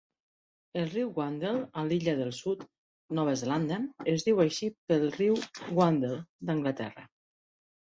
El riu Wandle a l'Illa del Sud, Nova Zelanda, es diu així pel riu Wandle d'Anglaterra.